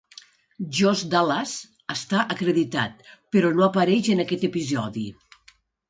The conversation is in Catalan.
Josh Dallas està acreditat, però no apareix en aquest episodi.